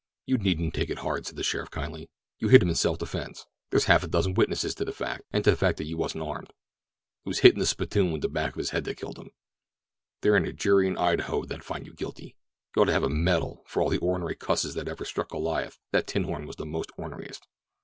"You needn't take it hard," said the sheriff kindly. "You hit him in self defense—there's half a dozen witnesses to that and to the fact that you wasn't armed. It was hittin' the spittoon with the back of his head that killed him. There ain't a jury in Idaho that'd find you guilty. You'd ought to have a medal, for of all the ornery cusses that ever struck Goliath that tin horn was the most orneriest."